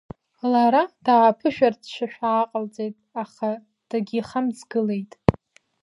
Лара дааԥышәырччашәа ааҟалҵеит, аха дагьихамҵгылеит.